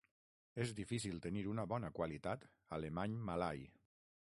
És difícil tenir una bona qualitat alemany-malai!